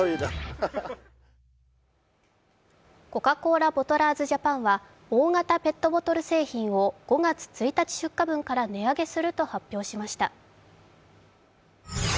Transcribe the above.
コカ・コーラボトラーズジャパンは大型ペットボトル製品を５月１日出荷分から値上げすると発表しました。